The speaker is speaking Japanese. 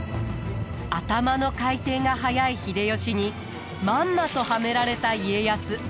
頭の回転が速い秀吉にまんまとはめられた家康。